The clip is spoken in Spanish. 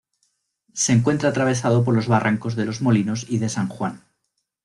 Se encuentra atravesado por los barrancos de Los Molinos y de San Juan.